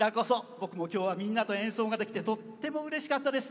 ぼくもきょうはみんなとえんそうができてとってもうれしかったです。